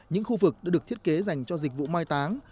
những khu vực đã được thiết kế dành cho dịch vụ mai táng